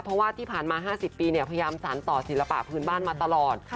เพราะว่าที่ผ่านมา๕๐ปีพยายามสารต่อศิลปะพื้นบ้านมาตลอด